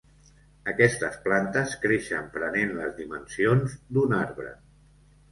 Aquestes plantes creixen prenent les dimensions d'un arbre.